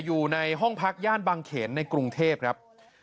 อยู่ในห้องพักย่านบางเขนในกรุงเทพครับ